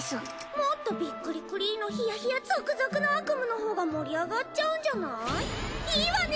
もっとビックリクリのひやひやぞくぞくの悪夢のほうが盛り上がっちゃうんじゃない？いいわね！